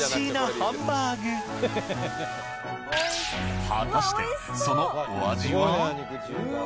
ハンバーグ果たしてそのお味は？